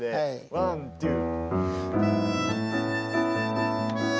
ワントゥー。